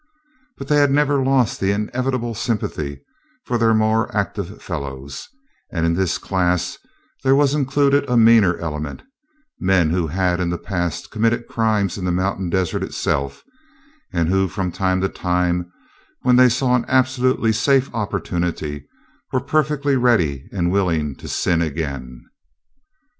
But they had never lost the inevitable sympathy for their more active fellows, and in this class there was included a meaner element men who had in the past committed crimes in the mountain desert itself and who, from time to time, when they saw an absolutely safe opportunity, were perfectly ready and willing to sin again.